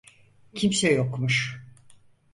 Kimse yokmuş.